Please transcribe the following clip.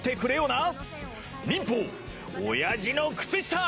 忍法おやじの靴下！